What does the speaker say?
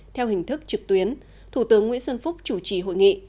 theo hình thức trực tuyến thủ tướng nguyễn xuân phúc chủ trì hội nghị